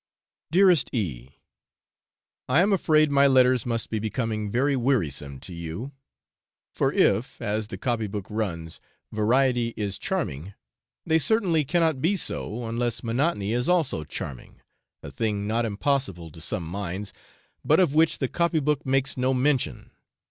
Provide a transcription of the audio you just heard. Dearest E . I am afraid my letters must be becoming very wearisome to you, for if, as the copy book runs, 'variety is charming,' they certainly cannot be so, unless monotony is also charming, a thing not impossible to some minds, but of which the copy book makes no mention.